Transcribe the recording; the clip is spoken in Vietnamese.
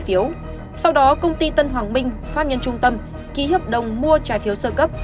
phiếu sau đó công ty tân hoàng minh pháp nhân trung tâm ký hợp đồng mua trái phiếu sơ cấp